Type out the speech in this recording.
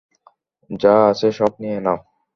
যা আছে সব নিয়ে নাও।